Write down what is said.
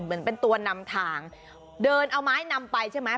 เหมือนเป็นตัวนำทางเดินเอาไม้นำไปใช่ไหม